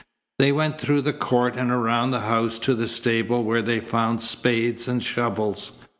They went through the court and around the house to the stable where they found spades and shovels.